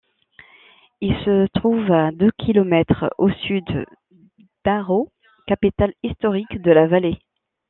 Il se trouve à deux kilomètres au sud d’Arreau, capitale historique de la vallée.